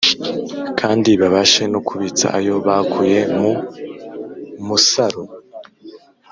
kandi babashe no kubitsa ayo bakuye mu musaro